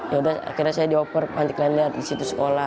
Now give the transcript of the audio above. yaudah akhirnya saya dioper panti klender di situ sekolah